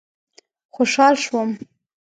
خوشحال شوم.